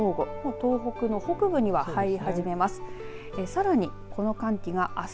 東北の北部には入り始めます。